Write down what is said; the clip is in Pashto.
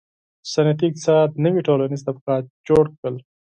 • صنعتي اقتصاد نوي ټولنیز طبقات جوړ کړل.